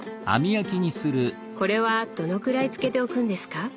これはどのくらい漬けておくんですか？